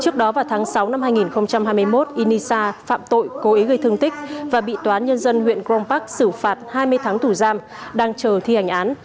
trước đó vào tháng sáu năm hai nghìn hai mươi một inisa phạm tội cối gây thương tích và bị toán nhân dân huyện grom park xử phạt hai mươi tháng tủ giam đang chờ thi hành án